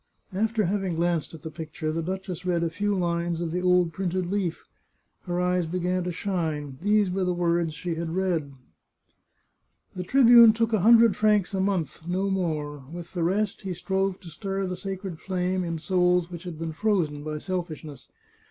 After having glanced at the picture, the duchess read a few lines of the old printed leaf. Her eyes began to shine; these were the words she had read :" The tribune took a hundred francs a month, no more. With the rest he strove to stir the sacred flame in souls which had been frozen by selfishness.